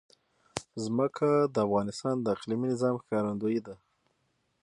ځمکه د افغانستان د اقلیمي نظام ښکارندوی ده.